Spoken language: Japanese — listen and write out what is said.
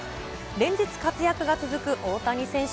連日活躍が続く大谷選手。